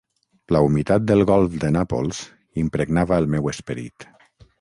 La humitat del golf de Nàpols impregnava el meu esperit.